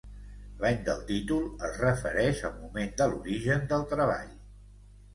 L'any del títol es refereix al moment de l'origen del treball.